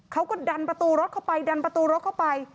เขาก็ดันประตูรถเข้าไปดันประตูรถเข้าไป